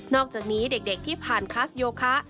อกจากนี้เด็กที่ผ่านคัสโยคะ